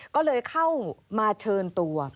ก็เลยเข้ามาเชิญตัว